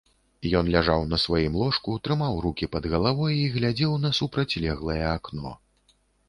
Ён ляжаў на сваім ложку, трымаў рукі пад галавой і глядзеў на супрацьлеглае акно.